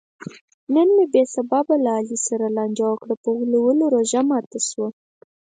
نن مې بې سببه له علي سره لانجه وکړه؛ په غولو روژه ماته شوه.